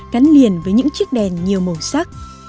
cắn liền với những chiếc đèn nhiều màu sắc